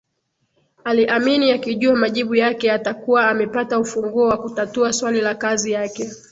Aliamini akijua majibu yake atakuwa amepata ufunguo wa kutatua swali la kazi yake